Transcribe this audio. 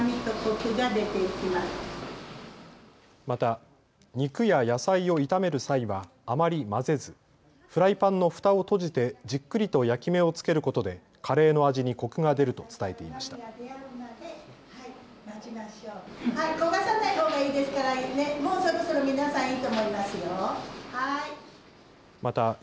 また肉や野菜を炒める際はあまり混ぜずフライパンのふたを閉じてじっくりと焼き目を付けることでカレーの味にコクが出ると伝えていました。